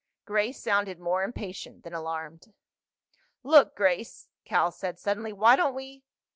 Grace sounded more impatient than alarmed. "Look, Grace," Cal said suddenly, "why don't we—?"